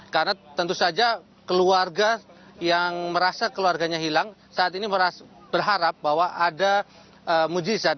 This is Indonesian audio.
karena tentu saja keluarga yang merasa keluarganya hilang saat ini berharap bahwa ada mujizat